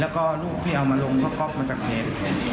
แล้วก็รูปที่เอามาลงก็ก๊อกมาจากเพจ